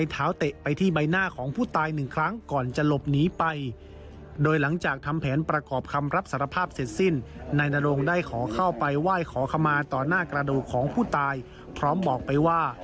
ต่อหน้ากระดูกของผู้ตายพร้อมบอกไปว่า